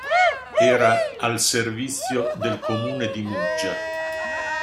Era al servizio del comune di Muggia.